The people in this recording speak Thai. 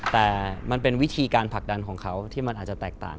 แต่มันเป็นวิธีการผลักดันของเขาที่มันอาจจะแตกต่าง